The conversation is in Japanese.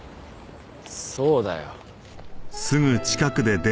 そうだよ。